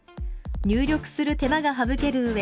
入力する手間が省けるうえ